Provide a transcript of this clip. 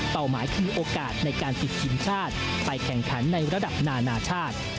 หมายคือโอกาสในการติดทีมชาติไปแข่งขันในระดับนานาชาติ